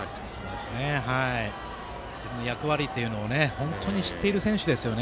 役割というのを本当に知っている選手ですね。